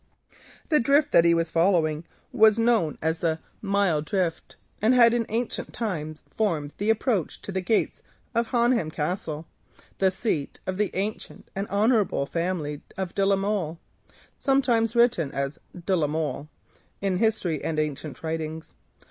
The drift that he was following is known as the mile drift, and had in ancient times formed the approach to the gates of Honham Castle, the seat of the ancient and honourable family of de la Molle (sometimes written "Delamol" in history and old writings).